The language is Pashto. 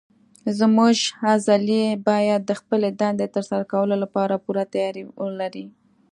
زموږ عضلې باید د خپلې دندې تر سره کولو لپاره پوره تیاری ولري.